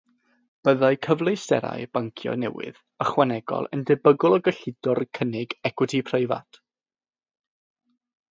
Byddai cyfleusterau bancio newydd ychwanegol yn debygol o gyllido'r cynnig ecwiti preifat.